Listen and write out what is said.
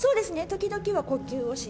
時々は呼吸をしに。